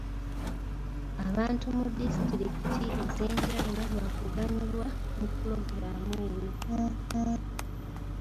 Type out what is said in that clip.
Abantu mu disitulikiti ez'enjawulo baakuganyulwa mu pulogulaamu eno.